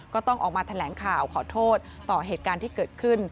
ก็ต้องออกมาแถลงข่าวขอโทษต่อเหตุการณ์ที่เกิดขึ้น